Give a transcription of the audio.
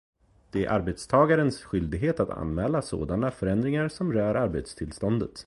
Det är arbetstagarens skyldighet att anmäla sådana förändringar som rör arbetstillståndet.